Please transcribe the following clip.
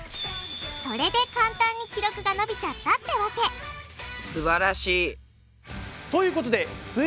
それで簡単に記録が伸びちゃったってわけすばらしい！ということです